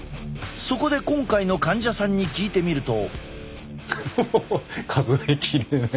そこで今回の患者さんに聞いてみると。